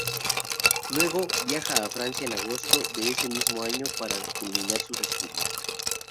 Luego, viaja a Francia en agosto de ese mismo año, para culminar sus estudios.